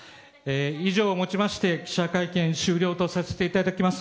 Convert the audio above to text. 以上をもちまして記者会見終了とさせていただきます。